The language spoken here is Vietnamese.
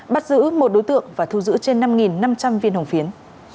bắt giữ một đối tượng và thu giữ trên năm năm trăm linh viên hồng phiến